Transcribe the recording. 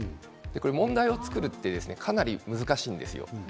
問題を作るってかなり難しいんですよ。